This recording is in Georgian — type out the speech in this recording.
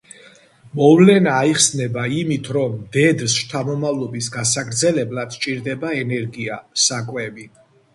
მოვლენა აიხსნება იმით, რომ მდედრს შთამომავლობის გასაგრძელებლად სჭირდება ენერგია, საკვები.